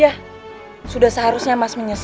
ya sudah seharusnya mas menyusun